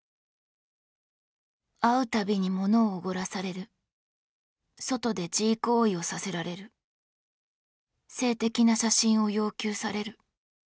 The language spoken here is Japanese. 「会うたびに物を奢らされる」「外で自慰行為をさせられる」「性的な写真を要求される」